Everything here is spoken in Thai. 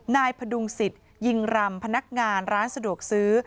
พดุงสิทธิ์ยิงรำพนักงานร้านสะดวกซื้อ